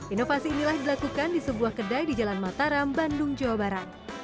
inovasi inilah dilakukan di sebuah kedai di jalan mataram bandung jawa barat